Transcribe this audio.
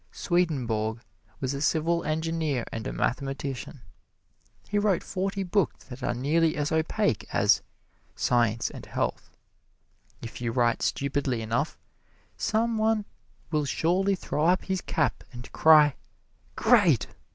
Swedenborg was a civil engineer and a mathematician. He wrote forty books that are nearly as opaque as "Science and Health." If you write stupidly enough, some one will surely throw up his cap and cry "Great!"